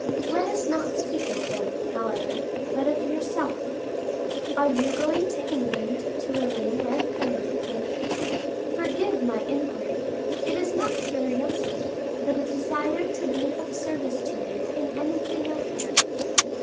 Let us not speak of them, however; but of yourself. Are you going to England to remain there permanently? Forgive my inquiry: it is not curiosity, but a desire to be of service to you in anything I can."